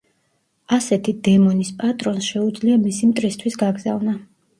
ასეთი დემონის პატრონს შეუძლია მისი მტრისთვის გაგზავნა.